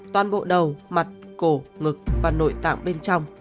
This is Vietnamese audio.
toàn bộ đầu mặt cổ ngực và nội tạng bên trong